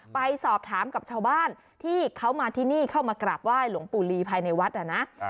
ไปสอบถามกับชาวบ้านที่เขามาที่นี่เข้ามากราบไห้หลวงปู่ลีภายในวัดนะ